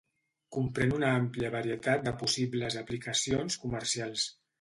Comprén una àmplia varietat de possibles aplicacions comercials.